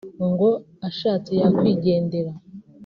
ngo ashatse yakwigendera